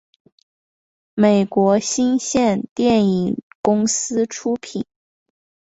美国新线电影公司出品。